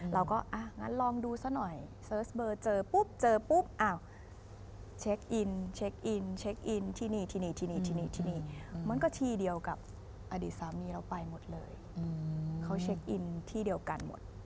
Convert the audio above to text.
เราก็ลองดูซะหน่อยเซิร์ชเบอร์เจอปุ๊บเจอปุ๊บเช็กอินที่นี่มันก็ที่เดียวกับอดีตซ้ำนี้เราไปหมดเลยเขาเช็กอินที่เดียวกันหมด